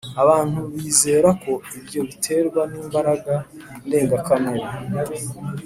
abantu bizeraga ko ibyo biterwa n’imbaraga ndengakamere